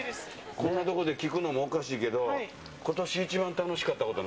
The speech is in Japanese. こんなところで聞くのもおかしいけど、ことし一番楽しかったこと、何？